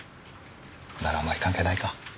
ならあまり関係ないか。